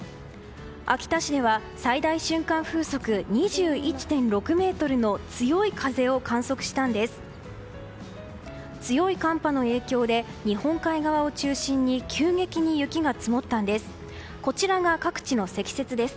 秋田市では最大瞬間風速２１．６メートルの強い風を観測したんです。